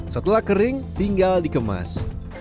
setelah kering tinggal dikemas